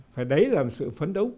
thì đấy là một sự phấn đấu